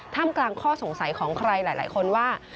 กลางข้อสงสัยของใครหลายคนว่า